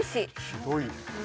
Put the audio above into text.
ひどいね